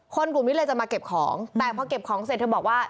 กลุ่มนี้เลยจะมาเก็บของแต่พอเก็บของเสร็จเธอบอกว่า